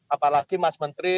apalagi mas menteri